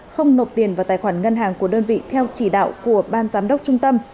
không nộp tiền vào tài khoản ngân hàng của đơn vị theo chỉ đạo của ban giám đốc trung tâm